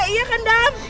iya kan dam